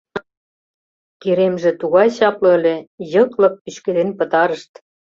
Керемже тугай чапле ыле — йыклык пӱчкеден пытарышт.